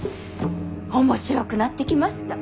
面白くなってきました。